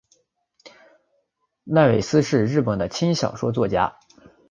濑尾司是日本的轻小说作家。